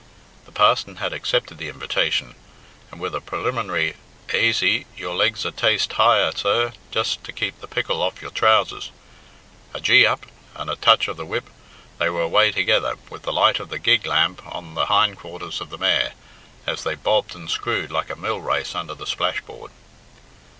The parson had accepted the invitation, and with a preliminary "Aisy! Your legs a taste higher, sir, just to keep the pickle off your trousers," a "Gee up!" and a touch of the whip, they were away together, with the light of the gig lamp on the hind quarters of the mare, as they bobbed and screwed like a mill race under the splash hoard.